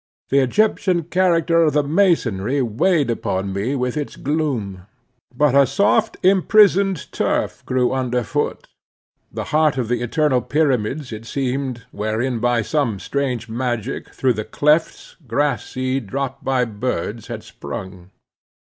The Egyptian character of the masonry weighed upon me with its gloom. But a soft imprisoned turf grew under foot. The heart of the eternal pyramids, it seemed, wherein, by some strange magic, through the clefts, grass seed, dropped by birds, had sprung.